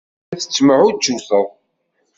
La tettemɛujjuteḍ.